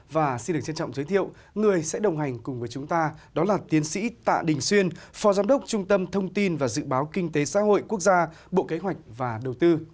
và xin được trân trọng giới thiệu người sẽ đồng hành cùng với chúng ta đó là tiến sĩ tạ đình xuyên phó giám đốc trung tâm thông tin và dự báo kinh tế xã hội quốc gia bộ kế hoạch và đầu tư